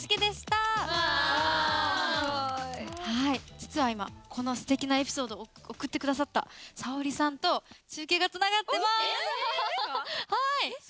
実は今このすてきなエピソードを送ってくださったＳａｏｒｉさんと中継がつながってます！